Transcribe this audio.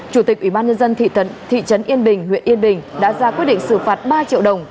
chủ tịch ủy ban nhân dân thị trấn yên bình huyện yên bình đã ra quyết định xử phạt ba triệu đồng